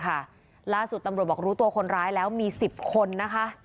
ล่าสุดตำรวจบอกรู้ตัวคนร้ายแล้วมี๑๐คนนะคะ